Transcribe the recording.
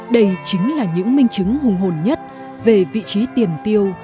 đây chính là những minh chứng hùng hồn nhất về vị trí tiền tiêu